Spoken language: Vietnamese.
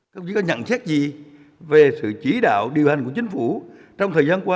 các đồng chí có nhận xét gì về sự chỉ đạo điều hành của chính phủ trong thời gian qua